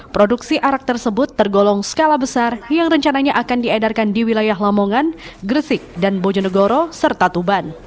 produksi arak tersebut tergolong skala besar yang rencananya akan diedarkan di wilayah lamongan gresik dan bojonegoro serta tuban